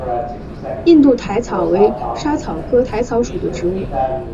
印度薹草为莎草科薹草属的植物。